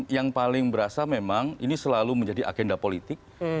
yang paling berasa memang ini selalu menjadi agenda politik